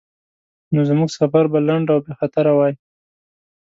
نو زموږ سفر به لنډ او بیخطره وای.